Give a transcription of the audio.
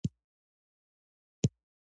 زه درنه پوزه غوڅوم